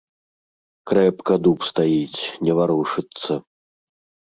Крэпка дуб стаіць, не варушыцца!